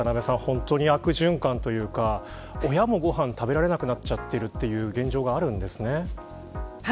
本当に悪循環というか親もご飯を食べられなくなっちゃってるという現状があるんですね。